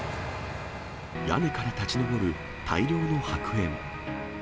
屋根から立ち上る大量の白煙。